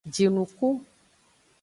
Jinuku.